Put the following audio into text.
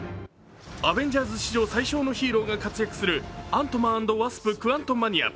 アベンジャーズ史上最小のヒーローが活躍する「アントマン＆ワスプ：クアントマニア」。